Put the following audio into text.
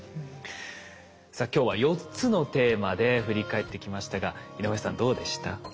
さあ今日は４つのテーマで振り返ってきましたが井上さんどうでした？